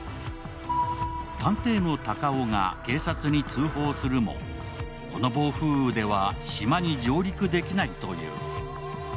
探偵の隆生が警察に通報するも、この暴風雨では島に上陸できないという。